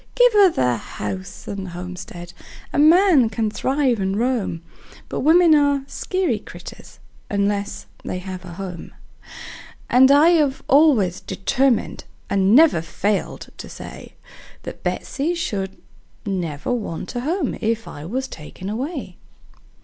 Give her the house and homestead a man can thrive and roam; But women are skeery critters, unless they have a home; And I have always determined, and never failed to say, That Betsey never should want a home if I was taken away.